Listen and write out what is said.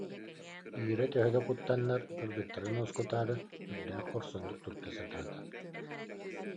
Ира, төһө да куттаннар, кыргыттарын уоскутаары сүрдээх хорсуннук тутта сатаата